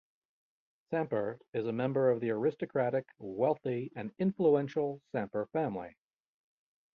Samper is a member of the aristocratic, wealthy and influential Samper family.